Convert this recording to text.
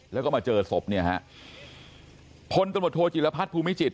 แล้วก็มาเจอศพเนี่ยฮะพลตำรวจโทจิลพัฒน์ภูมิจิต